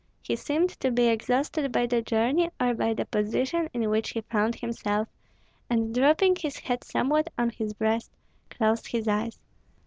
He seemed to be exhausted by the journey, or by the position in which he found himself, and dropping his head somewhat on his breast, closed his eyes.